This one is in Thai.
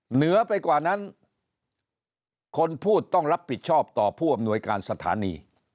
เหนือไปกว่านั้นคนพูดต้องรับผิดชอบต่อผู้อำนวยการสถานี